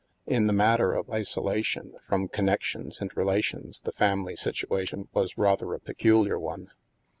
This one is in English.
In the matter of isolation from connections and relations, the family situation was rather a peculiar one.